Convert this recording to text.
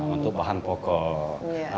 untuk bahan pokok